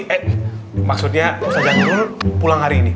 eh maksudnya ustazah nurul pulang hari ini